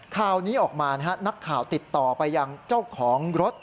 ข่าวนี้ออกมานะฮะนักข่าวติดต่อไปยังเจ้าของรถ